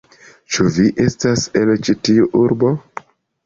Ĉu vi estas el ĉi tiu urbo?